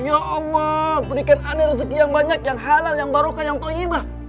ya allah berikan aneh rejeki yang banyak yang halal yang barukan yang toibah